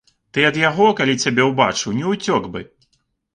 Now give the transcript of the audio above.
Ты ад яго, калі цябе ўбачыў, не ўцёк бы.